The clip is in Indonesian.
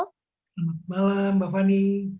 selamat malam mbak fani